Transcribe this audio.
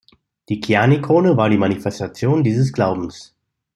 Die Kiani-Krone war die Manifestation dieses Glaubens.